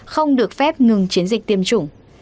không được phép ngừng chiến dịch tiêm chủng